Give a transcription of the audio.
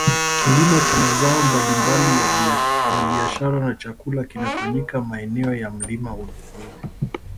kilimo cha mazao mbalimbali ya biashara na chakula kinafanyika maeneo ya mlima uluguru